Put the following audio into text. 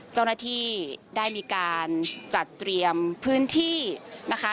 เจ้าหน้าที่ได้มีการจัดเตรียมพื้นที่นะคะ